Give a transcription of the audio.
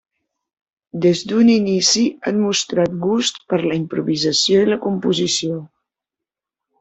Des d'un inici han mostrat gust per la improvisació i la composició.